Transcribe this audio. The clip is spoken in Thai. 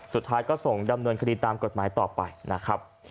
สุดท้ายก็ส่งดำเนินคดีตามกฎหมายต่อไปนะครับ